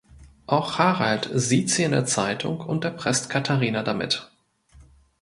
Auch Harald sieht sie in der Zeitung und erpresst Katharina damit.